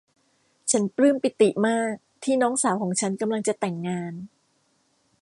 ฉันปลื้มปิติมากที่น้องสาวของฉันกำลังจะแต่งงาน